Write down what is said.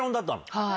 はい。